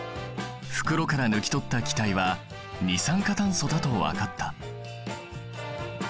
袋から抜き取った気体は二酸化炭素だと分かった。